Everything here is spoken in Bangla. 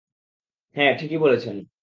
হ্যাঁ, ঠিকই বলেছেন।